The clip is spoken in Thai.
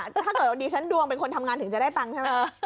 ถ้าสมอดีฉันดวงเป็นคนทำงานถึงจะได้เงินใช่ไหม